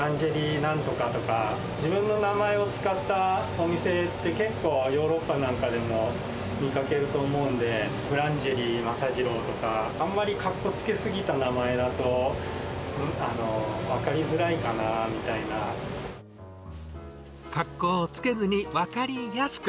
なんとかとか、自分の名前を使ったお店って、結構ヨーロッパなんかでも見かけると思うんで、ブランジェリー政次郎とか、あんまりかっこつけすぎた名前だ格好をつけずに分かりやすく。